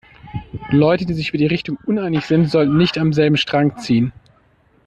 Leute, die sich über die Richtung uneinig sind, sollten nicht am selben Strang ziehen.